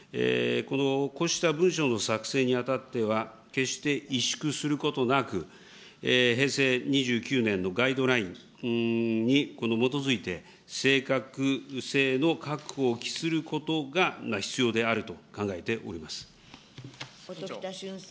こうした文書の作成にあたっては、決して萎縮することなく、平成２９年のガイドラインに基づいて、正確性の確保を期することが必要音喜多駿さん。